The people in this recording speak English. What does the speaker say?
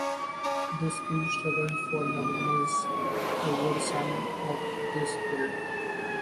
The school struggled for numbers over some of this period.